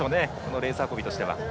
レース運びとしては。